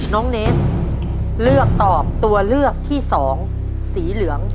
น้องเนสเลือกตอบตัวเลือกที่สองสีเหลือง